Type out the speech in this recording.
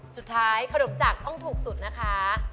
สุดท้ายขนมจากต้องถูกสุดนะคะ